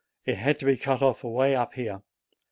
It had to be cut off away up here.